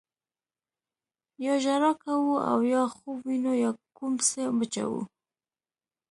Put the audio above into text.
یا ژړا کوو او یا خوب وینو یا کوم څه مچوو.